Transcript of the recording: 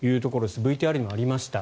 ＶＴＲにもありました。